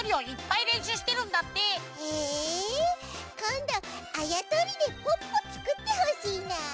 へえこんどあやとりでポッポつくってほしいなあ。